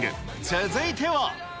続いては。